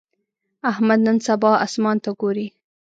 احمد نن سبا اسمان ته ګوري.